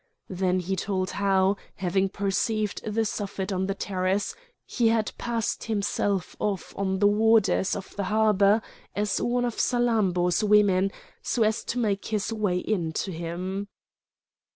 Then he told how, having perceived the Suffet on the terrace, he had passed himself off on the warders of the harbour as one of Salammbô's women, so as to make his way in to him.